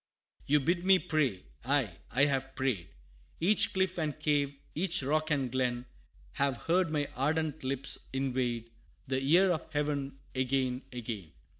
XV. "You bid me pray? aye, I have prayed! Each cliff and cave, each rock and glen, Have heard my ardent lips invade The ear of Heaven, again, again.